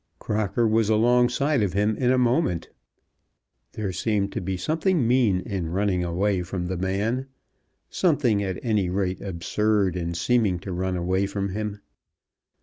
Crocker was alongside of him in a moment. There seemed to be something mean in running away from the man; something at any rate absurd in seeming to run away from him.